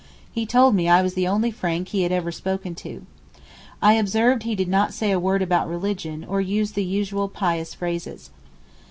He told me I was the only Frank he had ever spoken to. I observed he did not say a word about religion, or use the usual pious phrases.